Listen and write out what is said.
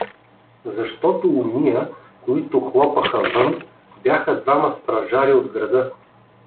Защото ония, които хлопаха вън, бяха двама стражари от града.